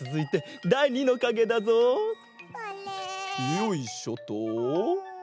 よいしょと。